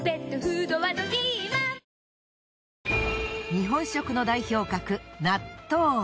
日本食の代表格。